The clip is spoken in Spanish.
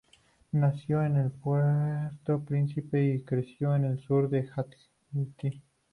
Nació en Puerto Príncipe y creció en el sur de Haití.